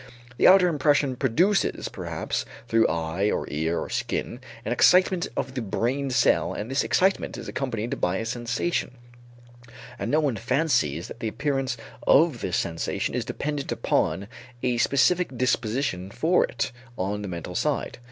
The outer impression produces, perhaps through eye or ear or skin, an excitement of the brain cell and this excitement is accompanied by a sensation; and no one fancies that the appearance of this sensation is dependent upon a special disposition for it on the mental side.